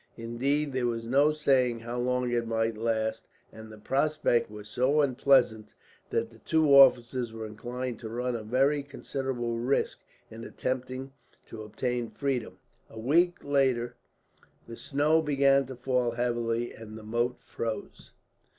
Indeed, there was no saying how long it might last, and the prospect was so unpleasant that the two officers were inclined to run a very considerable risk in attempting to obtain freedom. A week later the snow began to fall heavily, and the moat froze.